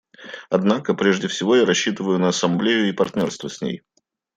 Однако, прежде всего, я рассчитываю на Ассамблею и партнерство с ней.